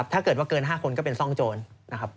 ถ้าเกิดว่าเกิน๕คนก็เป็นซ่องโจรนะครับ